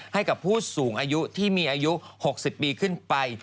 ให้กับผู้สูงอายุที่มีอายุ๖๐ปีขึ้นไป